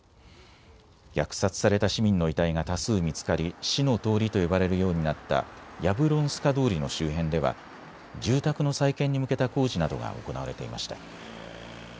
虐殺された市民の遺体が多数見つかり死の通りと呼ばれるようになったヤブロンスカ通りの周辺では住宅の再建に向けた工事などが行われていました。